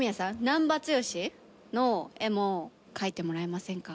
難破剛の絵も描いてもらえませんか？